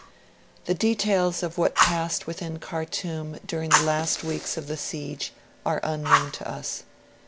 The details of what passed within Khartoum during the last weeks of the siege are unknown to us.